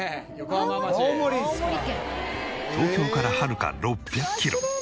東京からはるか６００キロ。